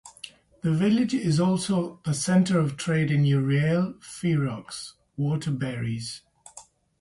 The village is also the centre of trade in "Euryale ferox" (water berries).